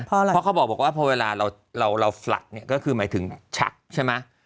เพราะเขาบอกว่าพอเวลาเราฟลัดก็คือหมายถึงชักใช่มั้ย